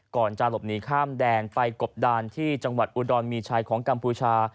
ก่อนจะหลบหนีข้ามแดนไปกบดานที่จังหวัดอุดรมีชายของกัมพูชา